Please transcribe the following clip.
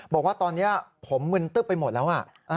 บอกว่าตอนนี้ผมมึนตึ๊บไปหมดแล้ว